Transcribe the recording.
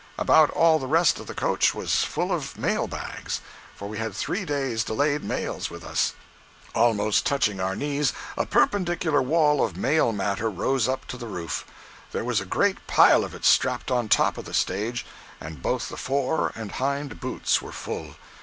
About all the rest of the coach was full of mail bags—for we had three days' delayed mails with us. Almost touching our knees, a perpendicular wall of mail matter rose up to the roof. There was a great pile of it strapped on top of the stage, and both the fore and hind boots were full.